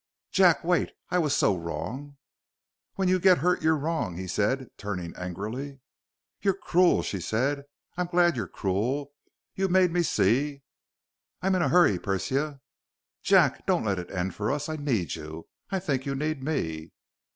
"Jack wait. I was so wrong!" "When you get hurt, you're wrong," he said, turning angrily. "You're cruel," she said. "I'm glad you're cruel. You've made me see " "I'm in a hurry, Persia." "Jack, don't let it end for us. I need you. I think you need me."